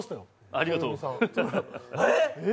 ありがとう。